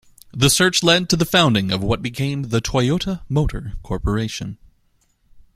The search led to the founding of what became the Toyota Motor Corporation.